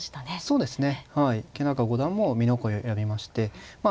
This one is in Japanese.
そうですね。